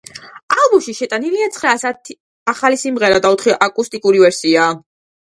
ალბომში შეტანილია ცხრა ახალი სიმღერა და ოთხი აკუსტიკური ვერსია.